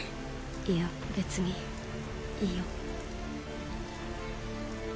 いや別にいいよ